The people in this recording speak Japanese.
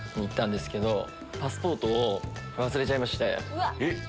うわっ。